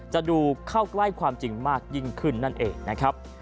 จะดูเข้าใกล้ความจริงมากยิ่งขึ้นนั่นเองนะครับ